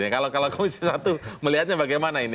kalau komisi satu melihatnya bagaimana ini